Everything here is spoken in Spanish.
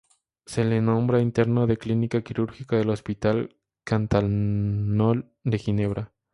Se le nombra interno de Clínica Quirúrgica del Hospital Cantonal de Ginebra.